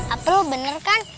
apa lu bener kan